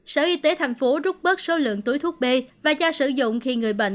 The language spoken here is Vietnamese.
sở y tế thành phố rút bớt số lượng túi thuốc b và cho sử dụng khi người bệnh